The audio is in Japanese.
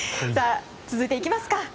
続いて、いきますか。